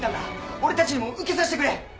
俺たちにも受けさせてくれ！